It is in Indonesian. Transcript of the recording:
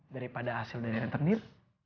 daripada hasil dari retenir